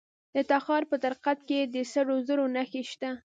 د تخار په درقد کې د سرو زرو نښې شته.